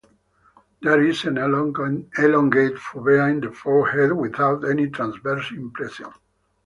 There is an elongate fovea in forehead without any transverse impression.